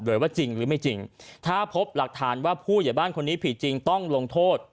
ว่าจริงหรือไม่จริงถ้าพบหลักฐานว่าผู้ใหญ่บ้านคนนี้ผิดจริงต้องลงโทษ